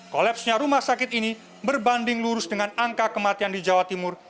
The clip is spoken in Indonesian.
kolapsnya rumah sakit ini berbanding lurus dengan angka kematian di jawa timur